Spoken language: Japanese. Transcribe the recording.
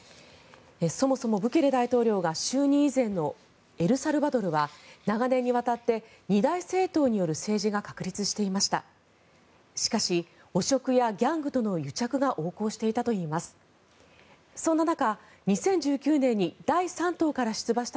そもそもブケレ大統領が就任以前のエルサルバドルは長年にわたって二大政党による政治が確立していました。